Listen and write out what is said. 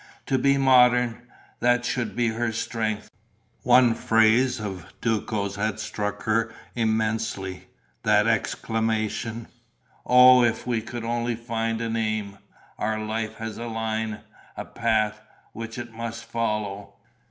To be modern: that should be her strength. One phrase of Duco's had struck her immensely, that exclamation: "Oh, if we could only find an aim! Our life has a line, a path, which it must follow...."